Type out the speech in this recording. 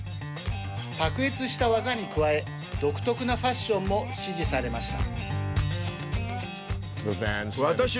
卓越した技に加え、独特なファッションも支持されました。